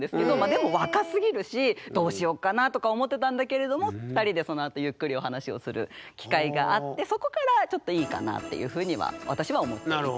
でも若すぎるしどうしようかなとか思ってたんだけれども２人でそのあとゆっくりお話をする機会があってそこからちょっといいかなっていうふうには私は思っていた。